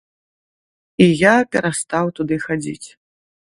І я перастаў туды хадзіць.